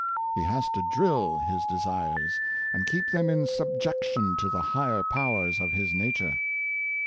He has to drill his desires, and keep them in subjection to the higher powers of his nature.